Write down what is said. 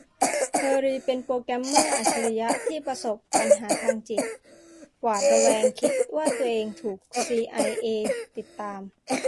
เทอร์รีเป็นโปรแกรมเมอร์อัจฉริยะที่ประสบปัญหาทางจิต หวาดระแวงคิดว่าตัวเองถูกซีไอเอติดตาม